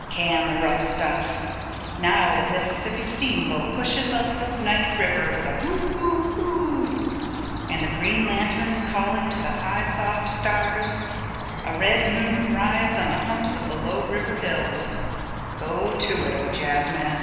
Can the rough stuff … now a Mississippi steamboat pushes up the night river with a hoo hoo hoo oo … and the green lanterns calling to the high soft stars … a red moon rides on the humps of the low river hills … go to it, O jazzmen.